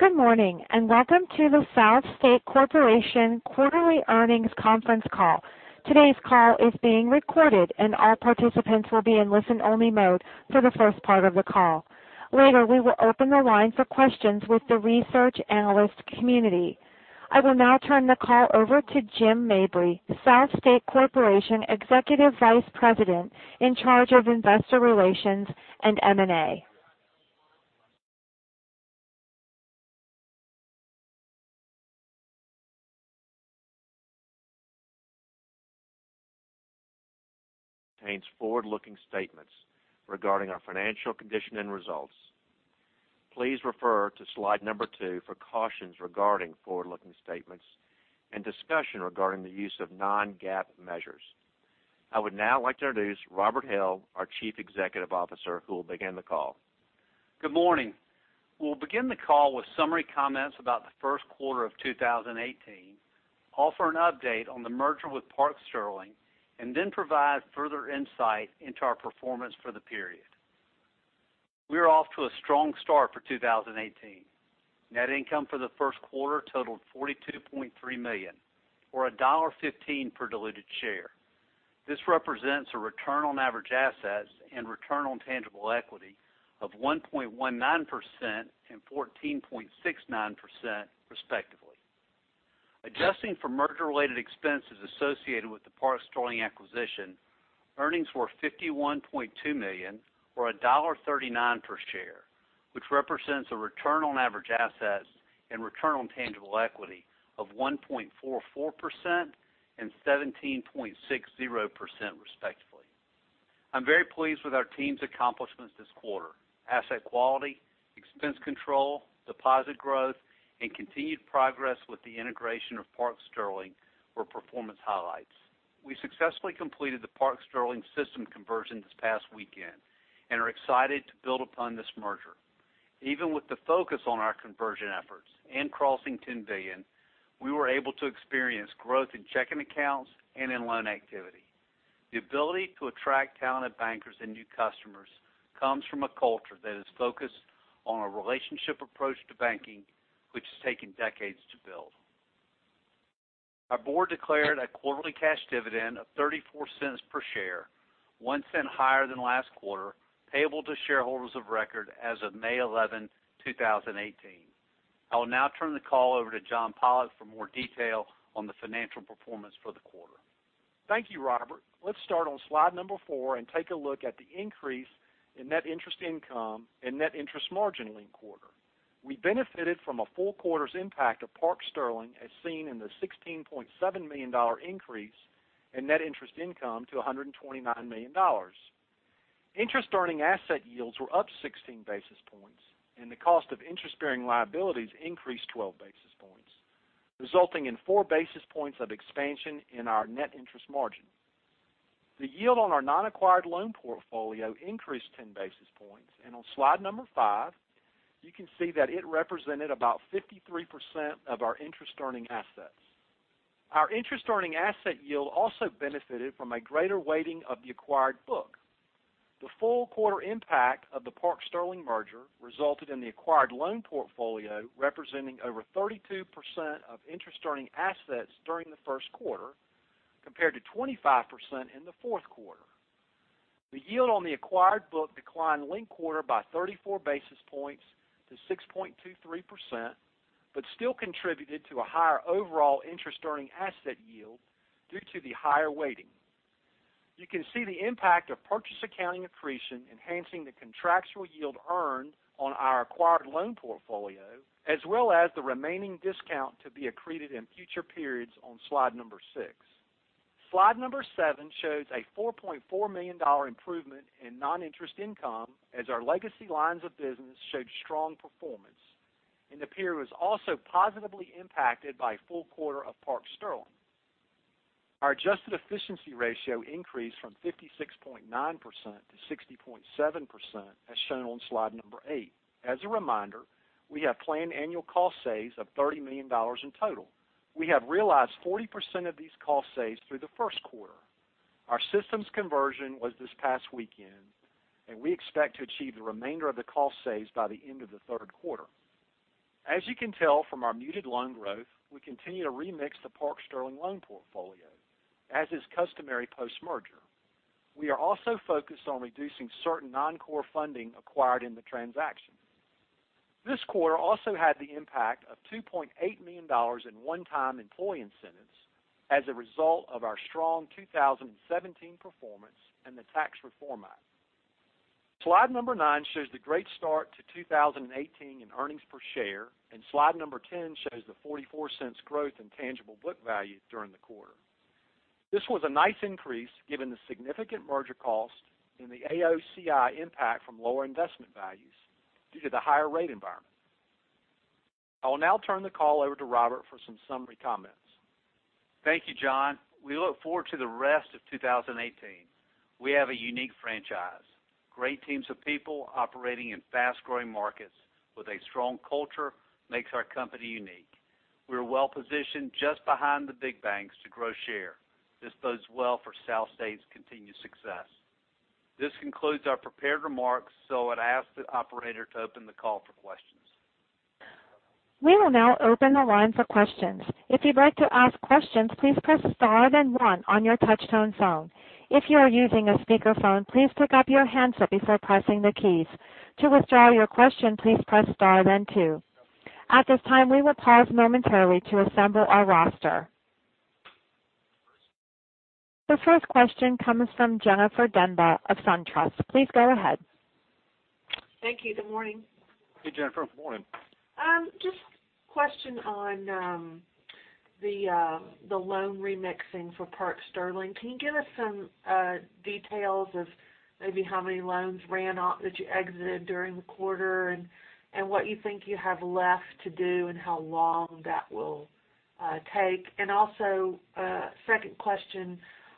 Good morning, and welcome to the SouthState Corporation quarterly earnings conference call. Today's call is being recorded, and all participants will be in listen-only mode for the first part of the call. Later, we will open the line for questions with the research analyst community. I will now turn the call over to Jim Mabry, SouthState Corporation Executive Vice President in charge of Investor Relations and M&A. Contains forward-looking statements regarding our financial condition and results. Please refer to slide number two for cautions regarding forward-looking statements and discussion regarding the use of non-GAAP measures. I would now like to introduce Robert Hill, our Chief Executive Officer, who will begin the call. Good morning. We will begin the call with summary comments about the first quarter of 2018, offer an update on the merger with Park Sterling, and then provide further insight into our performance for the period. We are off to a strong start for 2018. Net income for the first quarter totaled $42.3 million, or $1.15 per diluted share. This represents a return on average assets and return on tangible equity of 1.19% and 14.69% respectively. Adjusting for merger-related expenses associated with the Park Sterling acquisition, earnings were $51.2 million or $1.39 per share, which represents a return on average assets and return on tangible equity of 1.44% and 17.60% respectively. I am very pleased with our team's accomplishments this quarter. Asset quality, expense control, deposit growth, and continued progress with the integration of Park Sterling were performance highlights. We successfully completed the Park Sterling system conversion this past weekend and are excited to build upon this merger. Even with the focus on our conversion efforts and crossing $10 billion, we were able to experience growth in checking accounts and in loan activity. The ability to attract talented bankers and new customers comes from a culture that is focused on a relationship approach to banking, which has taken decades to build. Our board declared a quarterly cash dividend of $0.34 per share, $0.01 higher than last quarter, payable to shareholders of record as of May 11, 2018. I will now turn the call over to John Pollok for more detail on the financial performance for the quarter. Thank you, Robert. Let's start on slide number four and take a look at the increase in net interest income and net interest margin linked quarter. We benefited from a full quarter's impact of Park Sterling, as seen in the $16.7 million increase in net interest income to $129 million. Interest-earning asset yields were up 16 basis points, the cost of interest-bearing liabilities increased 12 basis points, resulting in four basis points of expansion in our net interest margin. The yield on our non-acquired loan portfolio increased 10 basis points, and on slide number five, you can see that it represented about 53% of our interest-earning assets. Our interest-earning asset yield also benefited from a greater weighting of the acquired book. The full quarter impact of the Park Sterling merger resulted in the acquired loan portfolio representing over 32% of interest-earning assets during the first quarter, compared to 25% in the fourth quarter. The yield on the acquired book declined linked quarter by 34 basis points to 6.23% but still contributed to a higher overall interest-earning asset yield due to the higher weighting. You can see the impact of purchase accounting accretion enhancing the contractual yield earned on our acquired loan portfolio, as well as the remaining discount to be accreted in future periods on slide number six. Slide number seven shows a $4.4 million improvement in non-interest income as our legacy lines of business showed strong performance and the period was also positively impacted by a full quarter of Park Sterling. Our adjusted efficiency ratio increased from 56.9% to 60.7%, as shown on slide number eight. As a reminder, we have planned annual cost saves of $30 million in total. We have realized 40% of these cost saves through the first quarter. Our systems conversion was this past weekend, and we expect to achieve the remainder of the cost saves by the end of the third quarter. As you can tell from our muted loan growth, we continue to remix the Park Sterling loan portfolio, as is customary post-merger. We are also focused on reducing certain non-core funding acquired in the transaction. This quarter also had the impact of $2.8 million in one-time employee incentives as a result of our strong 2017 performance and the tax reform act. Slide number nine shows the great start to 2018 in earnings per share, and slide number ten shows the $0.44 growth in tangible book value during the quarter. This was a nice increase given the significant merger cost and the AOCI impact from lower investment values due to the higher rate environment. I will now turn the call over to Robert for some summary comments. Thank you, John. We look forward to the rest of 2018. We have a unique franchise. Great teams of people operating in fast-growing markets with a strong culture makes our company unique. We're well-positioned just behind the big banks to grow share. This bodes well for SouthState's continued success. This concludes our prepared remarks, I'd ask the operator to open the call for questions. We will now open the line for questions. If you'd like to ask questions, please press star then one on your touch-tone phone. If you are using a speakerphone, please pick up your handset before pressing the keys. To withdraw your question, please press star then two. At this time, we will pause momentarily to assemble our roster. The first question comes from Jennifer Demba of SunTrust. Please go ahead. Thank you. Good morning. Hey, Jennifer. Good morning. Just a question on the loan remixing for Park Sterling. Can you give us some details of maybe how many loans ran off that you exited during the quarter, and what you think you have left to do, and how long that will take? Also, second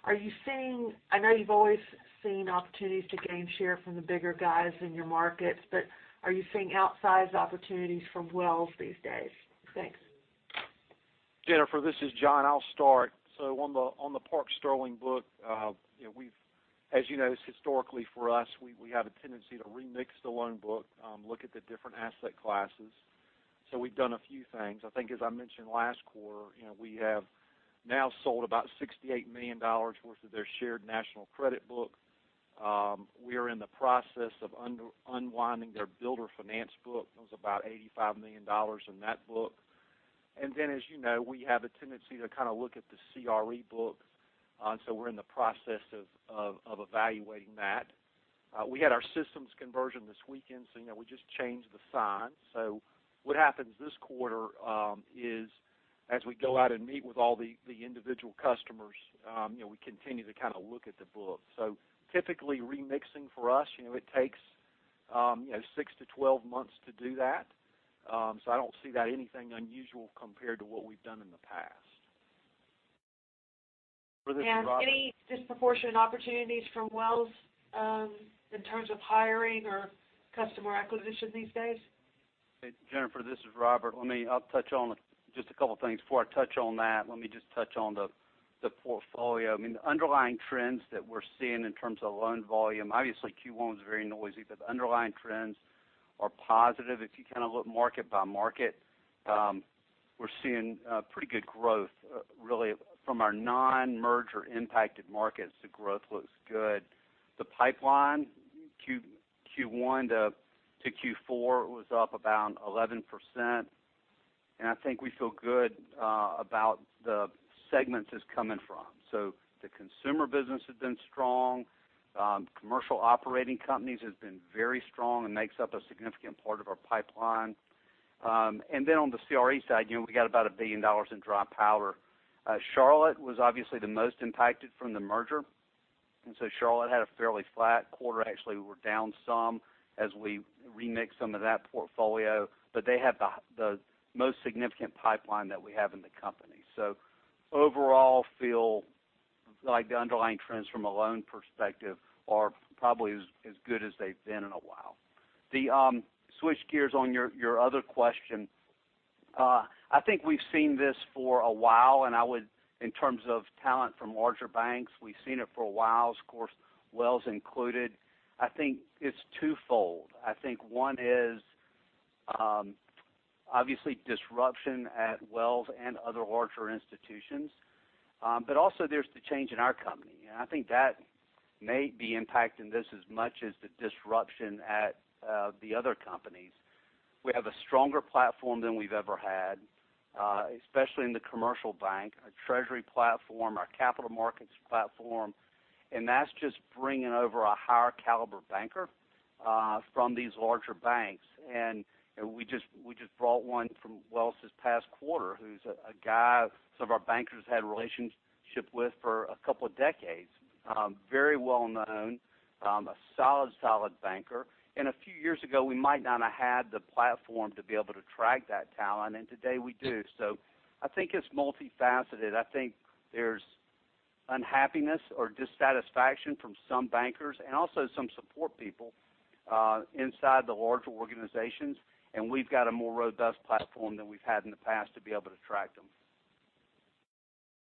question, I know you've always seen opportunities to gain share from the bigger guys in your markets, but are you seeing outsized opportunities from Wells these days? Thanks. Jennifer, this is John. I'll start. On the Park Sterling book, as you know, it's historically for us, we have a tendency to remix the loan book, look at the different asset classes. We've done a few things. I think as I mentioned last quarter, we have now sold about $68 million worth of their Shared National Credit book. We are in the process of unwinding their builder finance book. There was about $85 million in that book. Then, as you know, we have a tendency to kind of look at the CRE book. We're in the process of evaluating that. We had our systems conversion this weekend, so we just changed the signs. What happens this quarter is as we go out and meet with all the individual customers, we continue to kind of look at the book. Typically, remixing for us, it takes six to 12 months to do that. I don't see that anything unusual compared to what we've done in the past. For this, Robert- Any disproportionate opportunities from Wells in terms of hiring or customer acquisition these days? Hey, Jennifer, this is Robert. I'll touch on just a couple of things. Before I touch on that, let me just touch on the portfolio. The underlying trends that we're seeing in terms of loan volume, obviously Q1 was very noisy, but the underlying trends are positive. If you kind of look market by market, we're seeing pretty good growth really from our non-merger impacted markets. The growth looks good. The pipeline, Q1 to Q4 was up about 11%, I think we feel good about the segments it's coming from. The consumer business has been strong. Commercial operating companies has been very strong and makes up a significant part of our pipeline. On the CRE side, we got about $1 billion in dry powder. Charlotte was obviously the most impacted from the merger, Charlotte had a fairly flat quarter. Actually, we're down some as we remix some of that portfolio, but they have the most significant pipeline that we have in the company. Overall, feel like the underlying trends from a loan perspective are probably as good as they've been in a while. To switch gears on your other question. I think we've seen this for a while, and in terms of talent from larger banks, we've seen it for a while, of course, Wells included. I think it's twofold. I think one is obviously disruption at Wells and other larger institutions. Also there's the change in our company, and I think that may be impacting this as much as the disruption at the other companies. We have a stronger platform than we've ever had, especially in the commercial bank, our treasury platform, our capital markets platform, that's just bringing over a higher caliber banker from these larger banks. We just brought one from Wells this past quarter who's a guy some of our bankers had a relationship with for a couple of decades. Very well known, a solid banker. A few years ago, we might not have had the platform to be able to attract that talent, and today we do. I think it's multifaceted. I think there's unhappiness or dissatisfaction from some bankers and also some support people inside the larger organizations, and we've got a more robust platform than we've had in the past to be able to attract them.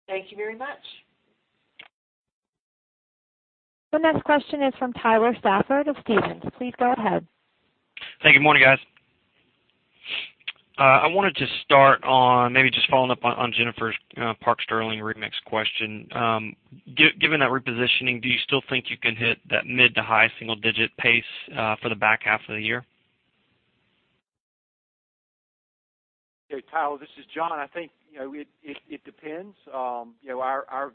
Thank you very much. The next question is from Tyler Stafford of Stephens. Please go ahead. Hey, good morning, guys. I wanted to start on maybe just following up on Jennifer's Park Sterling remix question. Given that repositioning, do you still think you can hit that mid to high single-digit pace for the back half of the year? Hey, Tyler, this is John. I think it depends. Our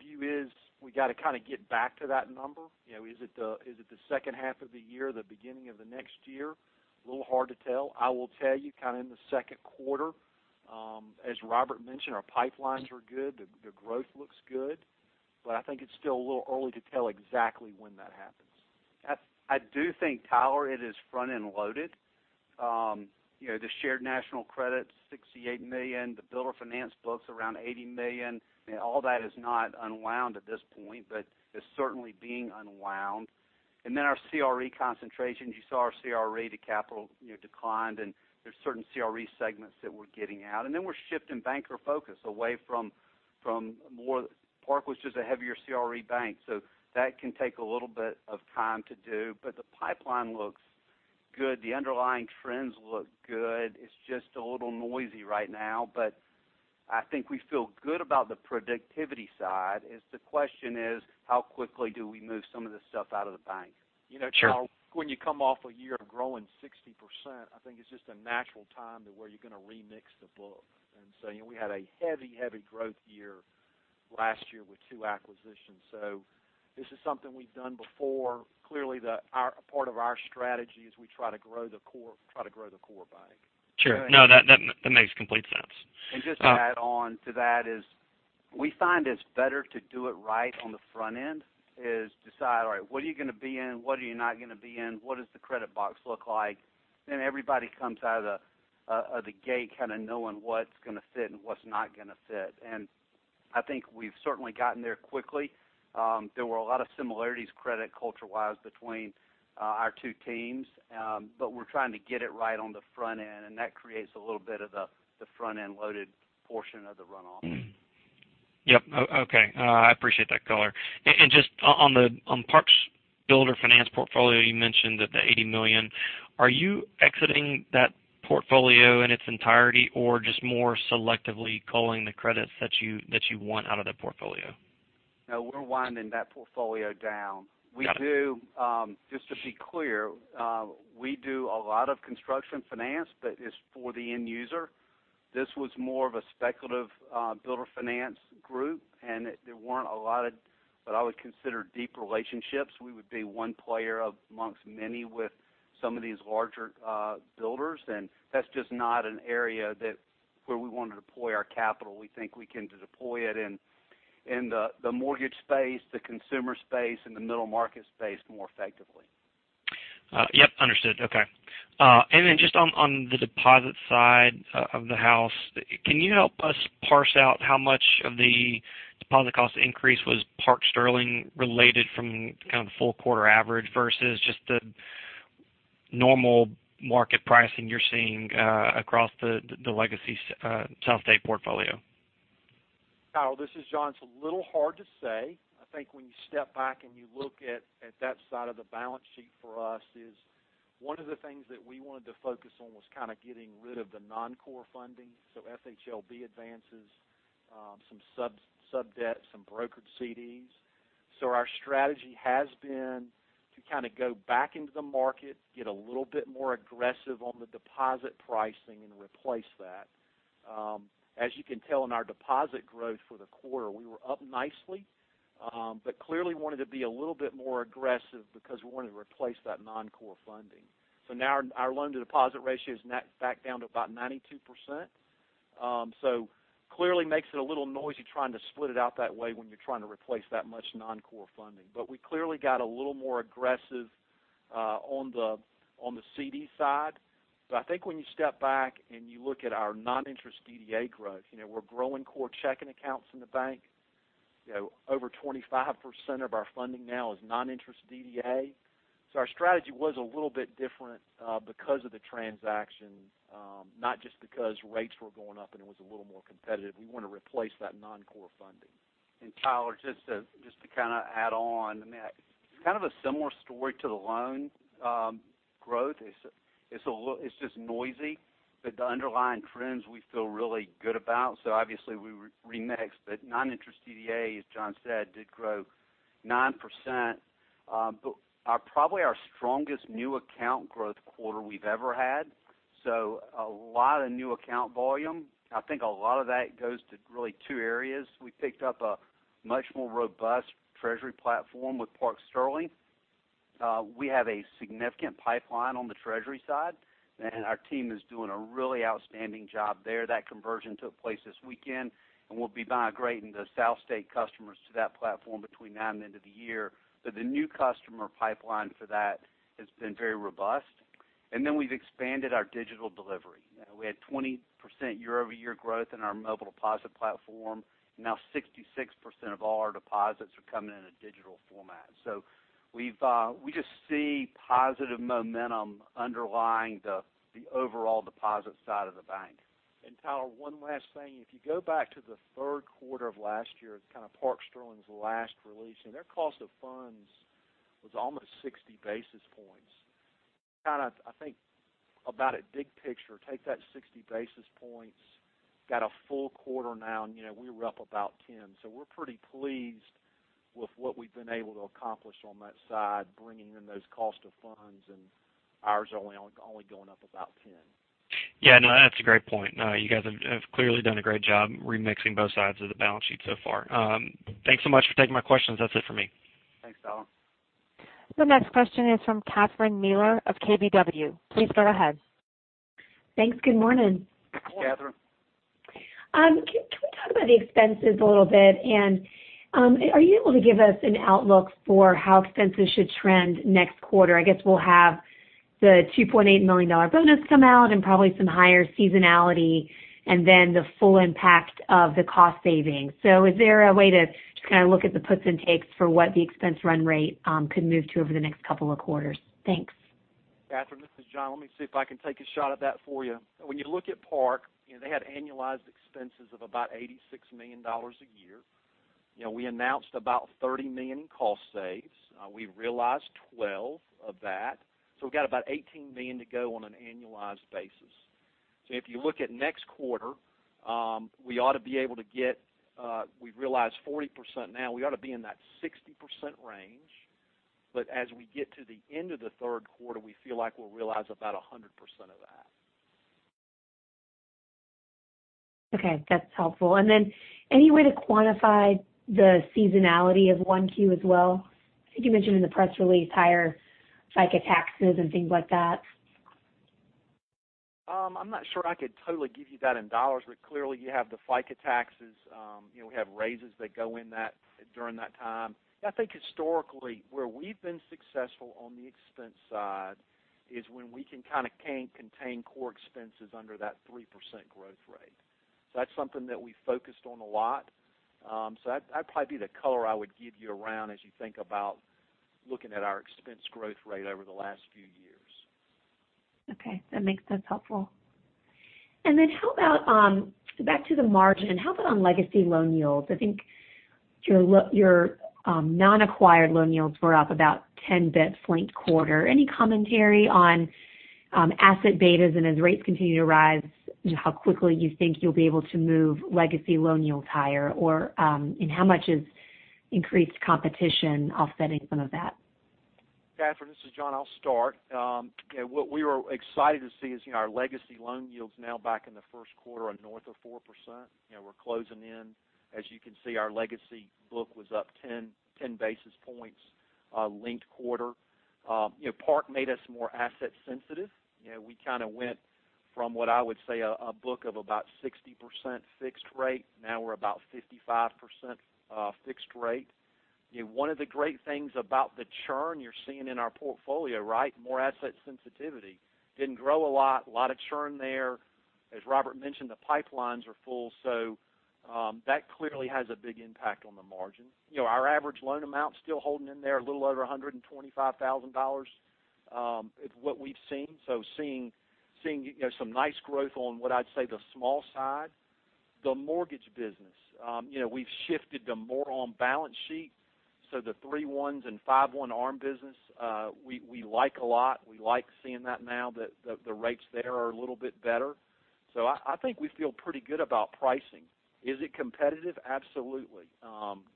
view is we got to kind of get back to that number. Is it the second half of the year, the beginning of the next year? A little hard to tell. I will tell you, kind of in the second quarter, as Robert mentioned, our pipelines were good. The growth looks good. I think it's still a little early to tell exactly when that happens. I do think, Tyler, it is front-end loaded. The Shared National Credit is $68 million. The builder finance book's around $80 million. All that is not unwound at this point, but is certainly being unwound. Our CRE concentrations, you saw our CRE to capital declined, and there's certain CRE segments that we're getting out. We're shifting banker focus away from more. Park was just a heavier CRE bank, so that can take a little bit of time to do. The pipeline looks good. The underlying trends look good. It's just a little noisy right now, but I think we feel good about the productivity side. The question is, how quickly do we move some of this stuff out of the bank? Sure. Tyler, when you come off a year of growing 60%, I think it's just a natural time to where you're going to remix the book. We had a heavy growth year last year with two acquisitions. This is something we've done before. Clearly, a part of our strategy is we try to grow the core bank. Sure. No, that makes complete sense. Just to add on to that is, we find it's better to do it right on the front end, is decide, all right, what are you going to be in, what are you not going to be in, what does the credit box look like? Everybody comes out of the gate kind of knowing what's going to fit and what's not going to fit. I think we've certainly gotten there quickly. There were a lot of similarities, credit culture-wise, between our two teams. We're trying to get it right on the front end, and that creates a little bit of the front-end loaded portion of the runoff. Yep. Okay. I appreciate that color. Just on Park Sterling Builder Finance portfolio, you mentioned that the $80 million. Are you exiting that portfolio in its entirety or just more selectively culling the credits that you want out of that portfolio? No, we're winding that portfolio down. Got it. Just to be clear, we do a lot of construction finance, but it's for the end user. This was more of a speculative builder finance group, there weren't a lot of what I would consider deep relationships. We would be one player amongst many with some of these larger builders, that's just not an area where we want to deploy our capital. We think we can deploy it in the mortgage space, the consumer space, and the middle market space more effectively. Yep, understood. Okay. Just on the deposit side of the house, can you help us parse out how much of the deposit cost increase was Park Sterling related from kind of full quarter average versus just the normal market pricing you're seeing across the legacy SouthState portfolio? Tyler, this is John. It's a little hard to say. I think when you step back and you look at that side of the balance sheet for us is one of the things that we wanted to focus on was kind of getting rid of the non-core funding. FHLB advances, some sub-debt, some brokered CDs. Our strategy has been to kind of go back into the market, get a little bit more aggressive on the deposit pricing, and replace that. As you can tell in our deposit growth for the quarter, we were up nicely. Clearly wanted to be a little bit more aggressive because we wanted to replace that non-core funding. Now our loan to deposit ratio is back down to about 92%. Clearly makes it a little noisy trying to split it out that way when you're trying to replace that much non-core funding. We clearly got a little more aggressive on the CD side. I think when you step back and you look at our non-interest DDA growth, we're growing core checking accounts in the bank. Over 25% of our funding now is non-interest DDA. Our strategy was a little bit different because of the transaction, not just because rates were going up and it was a little more competitive. We want to replace that non-core funding. Tyler, just to kind of add on. I mean, it's kind of a similar story to the loan growth. It's just noisy, but the underlying trends we feel really good about. Obviously we remixed, but non-interest DDA, as John said, did grow 9%. Probably our strongest new account growth quarter we've ever had. A lot of new account volume. I think a lot of that goes to really two areas. We picked up a much more robust treasury platform with Park Sterling. We have a significant pipeline on the treasury side, and our team is doing a really outstanding job there. That conversion took place this weekend, and we'll be migrating the SouthState customers to that platform between now and the end of the year. The new customer pipeline for that has been very robust. We've expanded our digital delivery. We had 20% year-over-year growth in our mobile deposit platform. Now 66% of all our deposits are coming in a digital format. We just see positive momentum underlying the overall deposit side of the bank. Tyler, one last thing. If you go back to the third quarter of last year, it's kind of Park Sterling's last release, and their cost of funds was almost 60 basis points. Kind of, I think about it big picture, take that 60 basis points, got a full quarter now, and we were up about 10. We're pretty pleased with what we've been able to accomplish on that side, bringing in those cost of funds and ours are only going up about 10. Yeah, no, that's a great point. You guys have clearly done a great job remixing both sides of the balance sheet so far. Thanks so much for taking my questions. That's it for me. Thanks, Tyler. The next question is from Catherine Mealor of KBW. Please go ahead. Thanks. Good morning. Catherine. Can we talk about the expenses a little bit? Are you able to give us an outlook for how expenses should trend next quarter? I guess we'll have the $2.8 million bonus come out and probably some higher seasonality, then the full impact of the cost savings. Is there a way to just kind of look at the puts and takes for what the expense run rate could move to over the next couple of quarters? Thanks. Catherine, this is John. Let me see if I can take a shot at that for you. When you look at Park, they had annualized expenses of about $86 million a year. We announced about $30 million in cost saves. We realized 12 of that. We've got about $18 million to go on an annualized basis. If you look at next quarter, we realize 40% now. We ought to be in that 60% range. As we get to the end of the third quarter, we feel like we'll realize about 100% of that. Okay, that's helpful. Any way to quantify the seasonality of one Q as well? I think you mentioned in the press release higher FICA taxes and things like that. I'm not sure I could totally give you that in dollars, clearly you have the FICA taxes. We have raises that go in during that time. I think historically, where we've been successful on the expense side is when we can kind of contain core expenses under that 3% growth rate. That's something that we focused on a lot. That'd probably be the color I would give you around as you think about looking at our expense growth rate over the last few years. Okay. That's helpful. Back to the margin, how about on legacy loan yields? I think your non-acquired loan yields were up about 10 basis points linked quarter. Any commentary on asset betas and as rates continue to rise, how quickly you think you'll be able to move legacy loan yields higher? How much is increased competition offsetting some of that? Catherine, this is John. I'll start. What we were excited to see is our legacy loan yields now back in the first quarter are north of 4%. We're closing in. As you can see, our legacy book was up 10 basis points linked quarter. Park made us more asset sensitive. We kind of went from what I would say a book of about 60% fixed rate. Now we're about 55% fixed rate. One of the great things about the churn you're seeing in our portfolio, right, more asset sensitivity. Didn't grow a lot, a lot of churn there. As Robert mentioned, the pipelines are full. That clearly has a big impact on the margin. Our average loan amount is still holding in there a little over $125,000, is what we've seen. Seeing some nice growth on what I'd say the small side. The mortgage business. We've shifted to more on balance sheet, so the 3-1s and 5-1 arm business, we like a lot. We like seeing that now that the rates there are a little bit better. I think we feel pretty good about pricing. Is it competitive? Absolutely.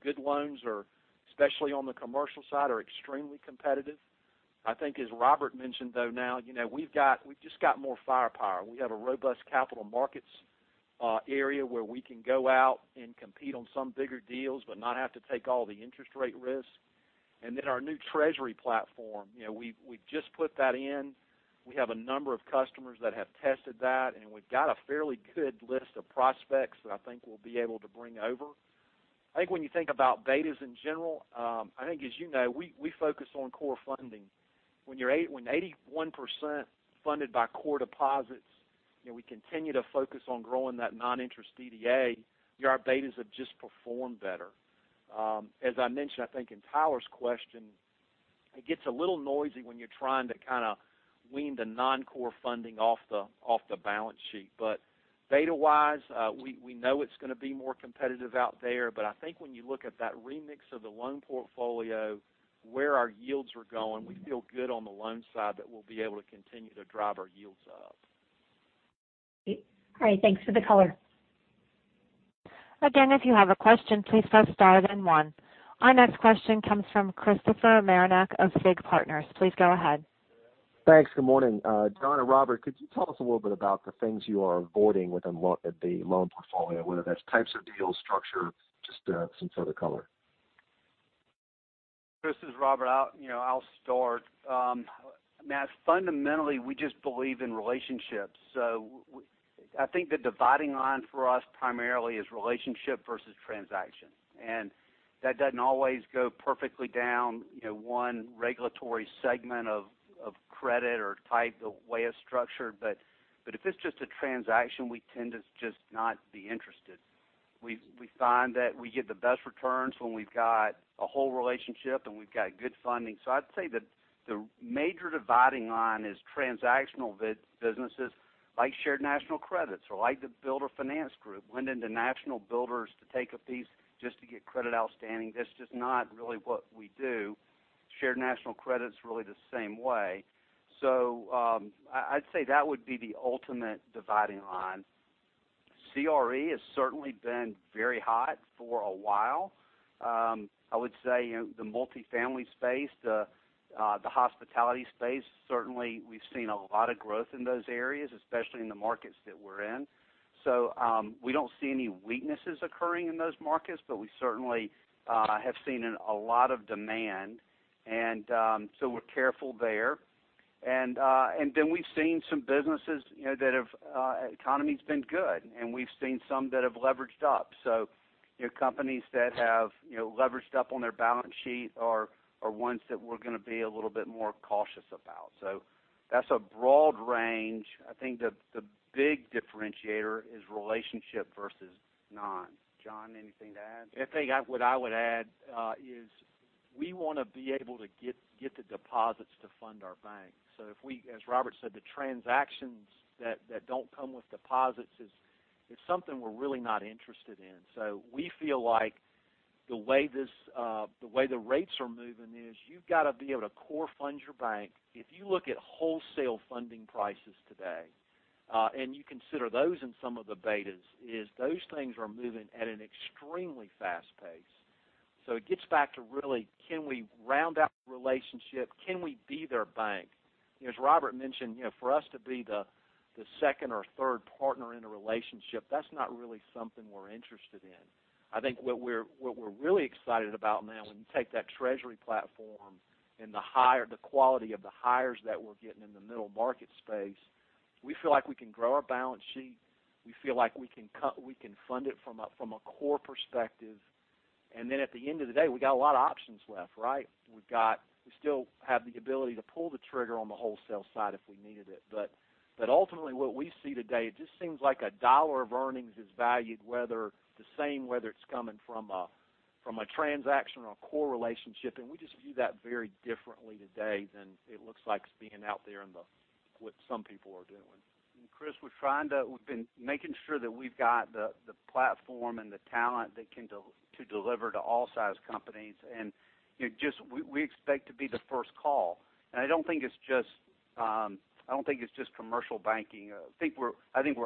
Good loans are, especially on the commercial side, are extremely competitive. I think, as Robert mentioned, though, now we've just got more firepower. We have a robust capital markets area where we can go out and compete on some bigger deals but not have to take all the interest rate risk. Our new treasury platform, we've just put that in. We have a number of customers that have tested that, and we've got a fairly good list of prospects that I think we'll be able to bring over. I think when you think about betas in general, I think as you know, we focus on core funding. When 81% funded by core deposits, we continue to focus on growing that non-interest DDA, our betas have just performed better. As I mentioned, I think in Tyler's question, it gets a little noisy when you're trying to kind of wean the non-core funding off the balance sheet. Beta-wise, we know it's going to be more competitive out there. I think when you look at that remix of the loan portfolio, where our yields are going, we feel good on the loan side that we'll be able to continue to drive our yields up. Great. Thanks for the color. Again, if you have a question, please press star then one. Our next question comes from Christopher Marinac of FIG Partners. Please go ahead. Thanks. Good morning. John and Robert, could you tell us a little bit about the things you are avoiding within the loan portfolio, whether that's types of deals, structure, just some sort of color. This is Robert. I'll start. Christopher Marinac, fundamentally, we just believe in relationships. I think the dividing line for us primarily is relationship versus transaction. That doesn't always go perfectly down one regulatory segment of credit or type of way of structure. If it's just a transaction, we tend to just not be interested. We find that we get the best returns when we've got a whole relationship and we've got good funding. I'd say that the major dividing line is transactional businesses like Shared National Credit or like the Builder Finance group. Went into national builders to take a piece just to get credit outstanding. That's just not really what we do. Shared National Credit's really the same way. I'd say that would be the ultimate dividing line. CRE has certainly been very hot for a while. I would say the multi-family space, the hospitality space, certainly we've seen a lot of growth in those areas, especially in the markets that we're in. We don't see any weaknesses occurring in those markets, but we certainly have seen a lot of demand, and we're careful there. Then we've seen some businesses that have economy's been good, and we've seen some that have leveraged up. Companies that have leveraged up on their balance sheet are ones that we're going to be a little bit more cautious about. That's a broad range. I think the big differentiator is relationship versus non. John, anything to add? I think what I would add is we want to be able to get the deposits to fund our bank. If we, as Robert said, the transactions that don't come with deposits is something we're really not interested in. We feel like the way the rates are moving is you've got to be able to core fund your bank. If you look at wholesale funding prices today, and you consider those in some of the betas, is those things are moving at an extremely fast pace. It gets back to really, can we round out the relationship? Can we be their bank? As Robert mentioned, for us to be the second or third partner in a relationship, that's not really something we're interested in. I think what we're really excited about now, when you take that treasury platform and the quality of the hires that we're getting in the middle market space, we feel like we can grow our balance sheet. We feel like we can fund it from a core perspective. At the end of the day, we got a lot of options left, right? We still have the ability to pull the trigger on the wholesale side if we needed it. Ultimately, what we see today, it just seems like $1 of earnings is valued the same, whether it's coming from a transaction or core relationship, and we just view that very differently today than it looks like it's being out there in the what some people are doing. Chris, we've been making sure that we've got the platform and the talent that can deliver to all size companies, we expect to be the first call. I don't think it's just commercial banking. I think we're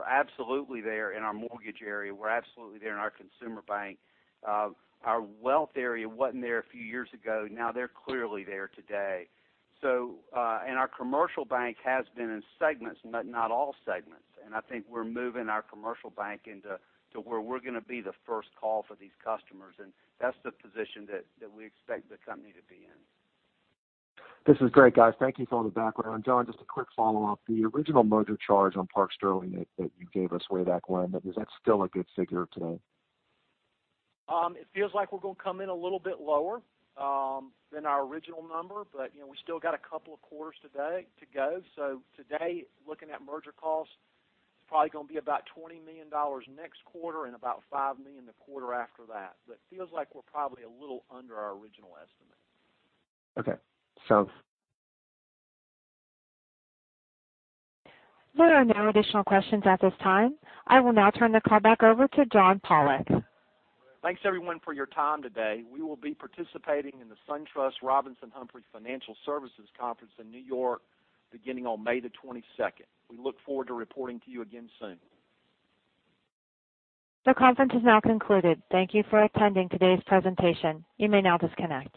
absolutely there in our mortgage area. We're absolutely there in our consumer bank. Our wealth area wasn't there a few years ago. Now they're clearly there today. Our commercial bank has been in segments, but not all segments. I think we're moving our commercial bank into where we're going to be the first call for these customers, that's the position that we expect the company to be in. This is great, guys. Thank you for all the background. John, just a quick follow-up. The original merger charge on Park Sterling that you gave us way back when, is that still a good figure today? It feels like we're going to come in a little bit lower than our original number, we still got a couple of quarters today to go. Today, looking at merger costs, it's probably going to be about $20 million next quarter and about $5 million the quarter after that. It feels like we're probably a little under our original estimate. Okay. South. There are no additional questions at this time. I will now turn the call back over to John Pollok. Thanks, everyone, for your time today. We will be participating in the SunTrust Robinson Humphrey Financial Services Conference in New York beginning on May the 22nd. We look forward to reporting to you again soon. The conference has now concluded. Thank you for attending today's presentation. You may now disconnect.